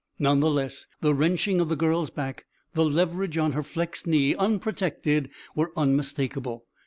None the less the wrenching of the girl's back, the leverage on her flexed knee, unprotected, were unmistakable.